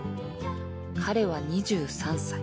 彼は２３歳